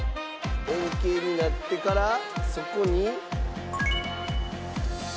円形になってからそこに。